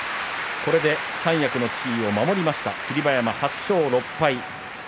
これで三役の地位を守りました、霧馬山、８勝６敗。